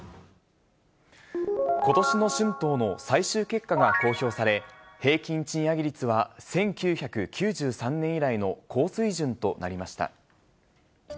ことしの春闘の最終結果が公表され、平均賃上げ率は１９９３年以来の高水準となりました。